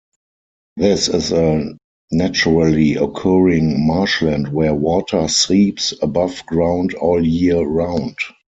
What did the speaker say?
This is a naturally-occurring marshland where water seeps above-ground all year round.